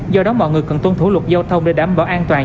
do đó mọi người cần tuân thủ luật giao thông để đảm bảo an toàn